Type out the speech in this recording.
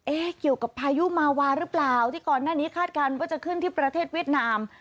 เกี่ยวกับพายุมาวาหรือเปล่าที่ก่อนหน้านี้คาดการณ์ว่าจะขึ้นที่ประเทศเวียดนาม